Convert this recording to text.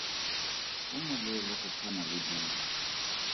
O moleele go tshwana le dimo.